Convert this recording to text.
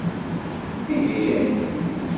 Ihi?